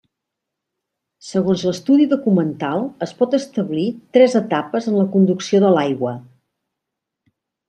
Segons l'estudi documental es pot establir tres etapes en la conducció de l'aigua.